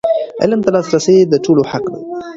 علم ته لاسرسی د ټولو حق دی.